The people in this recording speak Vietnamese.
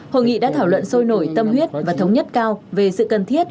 hội nghị đã thảo luận sôi nổi tâm huyết và thống nhất cao về sự cần thiết